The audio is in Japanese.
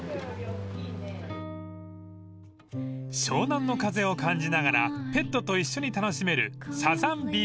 ［湘南の風を感じながらペットと一緒に楽しめる］